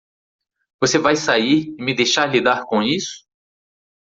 Você vai sair e me deixe lidar com isso?